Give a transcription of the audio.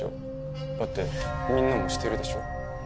だってみんなもしてるでしょ？